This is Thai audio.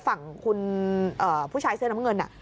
ฝั่งคุณผู้ชายเสื้อน้ำเงิน